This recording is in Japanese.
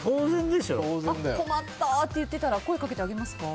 困ったって言ってたら声かけてあげますか？